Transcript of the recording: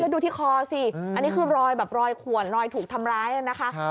ดูที่คอสิอันนี้คือรอยแบบรอยขวนรอยถูกทำร้ายนะคะ